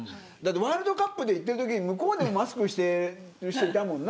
ワールドカップで行ってるときに向こうでマスクしている人いたもんな。